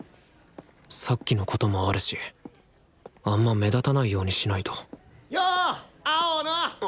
さっきのこともあるしあんま目立たないようにしないとよう青野！